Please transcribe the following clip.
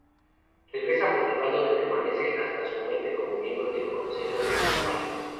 Regresa a Portugal, donde permanece hasta su muerte como miembro del Consejo de Ultramar.